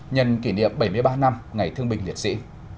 nhân kỷ niệm bảy mươi ba năm ngày thương binh liệt sĩ